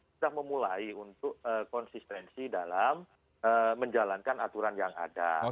sudah memulai untuk konsistensi dalam menjalankan aturan yang ada